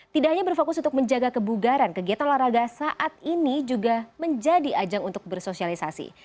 tidak hanya berfokus untuk menjaga kebugaran kegiatan olahraga saat ini juga menjadi ajang untuk bersosialisasi